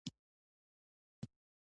داسې پوهنې نه وې.